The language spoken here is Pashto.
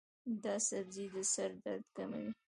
دا سبزی د سر درد کموي.